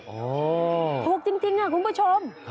โอ้โหถูกจริงค่ะคุณผู้ชม